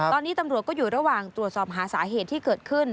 ตอนนี้ตำรวจก็อยู่ระหว่างตรวจสอบหาสาเหตุที่เกิดขึ้น